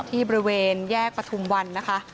ที่บริเวณแยกประทุมวันนะคะ